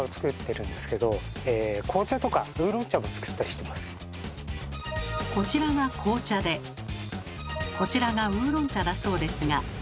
うちはもうこちらが紅茶でこちらがウーロン茶だそうですが。